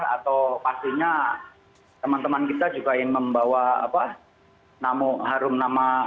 atau pastinya teman teman kita juga ingin membawa harum nama